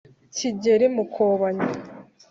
kigeli i mukobanya